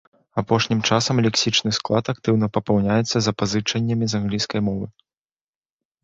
Апошнім часам лексічны склад актыўна папаўняецца запазычаннямі з англійскай мовы.